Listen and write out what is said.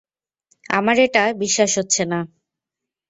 আমার এটা বিশ্বাস হচ্ছে না।